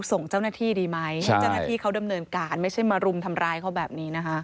ส่งเจ้าหน้าที่ดีไหมให้เจ้าหน้าที่เขาดำเนินการไม่ใช่มารุมทำร้ายเขาแบบนี้นะคะ